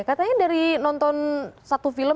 katanya dari nonton satu film